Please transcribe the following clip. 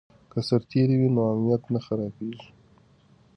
که سرتیری وي نو امنیت نه خرابېږي.